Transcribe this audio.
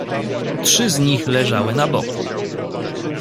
"Trzy z nich leżały na boku."